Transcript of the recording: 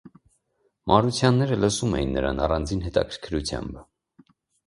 Մարությանները լսում էին նրան առանձին հետաքրքրությամբ: